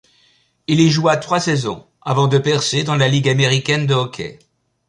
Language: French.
Il y joua trois saisons avant de percer dans la Ligue américaine de hockey.